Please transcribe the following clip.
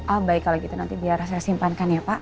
oh baik kalau gitu nanti biar saya simpankan ya pak